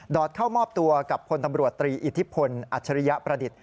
อดเข้ามอบตัวกับพลตำรวจตรีอิทธิพลอัจฉริยประดิษฐ์